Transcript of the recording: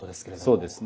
そうですね。